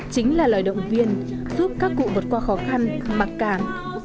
chính là lời động viên giúp các cụ vượt qua khó khăn mặc cảm